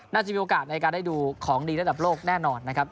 น่าจะมีโอกาสในการได้ดูของดีระดับโลกแน่นอนนะครับ